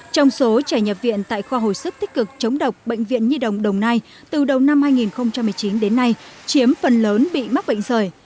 trong số trẻ nhập viện tại khoa hồi sức tích cực chống độc bệnh viện nhi đồng đồng nai từ đầu năm hai nghìn một mươi chín đến nay chiếm phần lớn bị mắc bệnh sởi